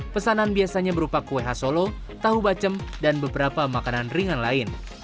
pesanan biasanya berupa kue khas solo tahu bacem dan beberapa makanan ringan lain